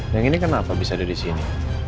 yang ini kenapa bisa ada disini